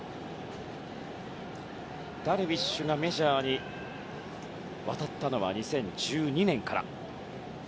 ダルビッシュがメジャーに渡ったのは２０１２年から。